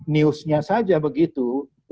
newsnya saja begitu